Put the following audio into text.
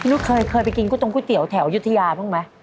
คุณลูกเคยเคยไปกินกรูตรงก๋วยเตี๋ยวแถวยุทยาบ้างไหม